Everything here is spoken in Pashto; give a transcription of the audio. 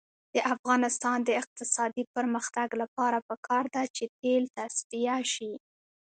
د افغانستان د اقتصادي پرمختګ لپاره پکار ده چې تیل تصفیه شي.